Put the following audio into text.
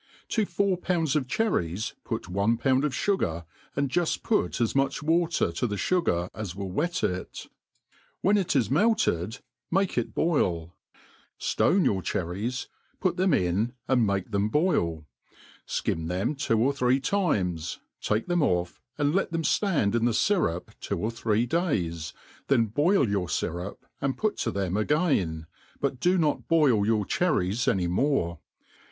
TO four pounds of cherries put one pound of fugar, and juft put as m^cb ^ater to th|^ fugar as ^iirill wet it j, when i: is melt ed, X4 3ti > THE ART OF COOKERY cd^ make it boil; ftone your cherries, put them in, and make them boil i flcim them two or three times, take tbem off, and let them ftand in the fyrup. two or three days, then boil your fyrup and put to them aeain, bu^ do not boil your cherries any more.